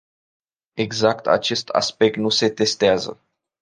Exact acest aspect nu se testează.